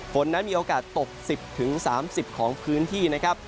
ฝนนั้นมีโอกาสตก๑๐๓๐ของพื้นที่นะครับ